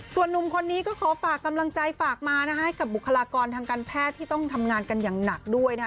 ส่วนนุ่มคนนี้ก็ขอฝากกำลังใจฝากมานะคะให้กับบุคลากรทางการแพทย์ที่ต้องทำงานกันอย่างหนักด้วยนะคะ